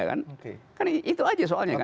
kan itu aja soalnya